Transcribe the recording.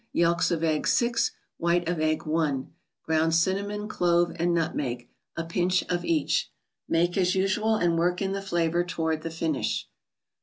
Yelks of Eggs, 6 ; White of Egg, i; Ground Cinnamon, Clove and Nutmeg, a pinch of each. 28 THE BOOK OF ICES. Make as usual, and work in the flavor toward the fin¬ ish.